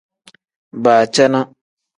Baacana.